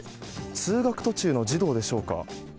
通学途中の児童でしょうか。